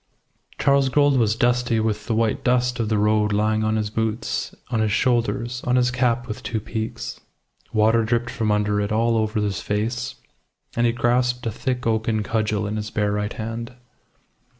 Charles Gould was dusty with the white dust of the road lying on his boots, on his shoulders, on his cap with two peaks. Water dripped from under it all over his face, and he grasped a thick oaken cudgel in his bare right hand.